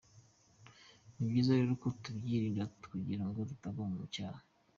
Ni byiza rero ko tubyirinda kugirango tutagwa mu cyaha.